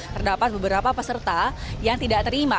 terdapat beberapa peserta yang tidak terima